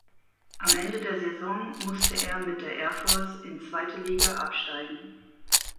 Am Ende der Saison musste er mit der Air Force in zweite Liga absteigen.